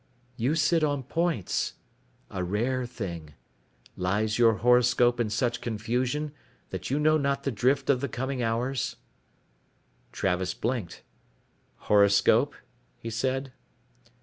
"You sit on points. A rare thing. Lies your horoscope in such confusion that you know not the drift of the coming hours?" Travis blinked. "Horoscope?" he said.